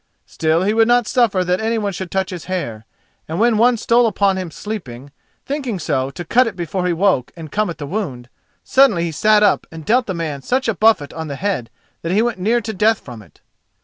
Still, he would not suffer that anyone should touch his hair. And when one stole upon him sleeping, thinking so to cut it before he woke, and come at the wound, suddenly he sat up and dealt the man such a buffet on the head that he went near to death from it.